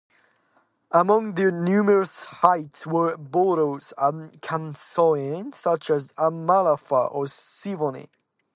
Among their numerous hits were boleros and "canciones" such as "Amapola" and "Siboney".